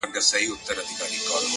اخلاص د اړیکو ریښتینی بنسټ جوړوي!